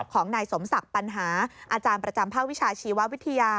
ของนายสมศักดิ์ปัญหาอาจารย์ประจำภาควิชาชีววิทยา